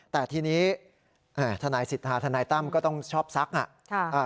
แต่ทีนี้ทนายสิทธาทนายตั้มก็ต้องชอบซักอ่ะ